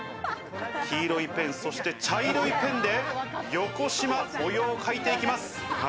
黄色いペン、そして茶色いペンで、横しま模様を描いていきます。